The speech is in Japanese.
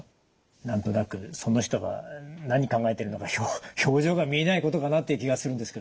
何となくその人が何考えてるのか表情が見えないことかなっていう気がするんですけど。